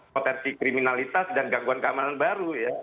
potensi kriminalitas dan gangguan keamanan baru ya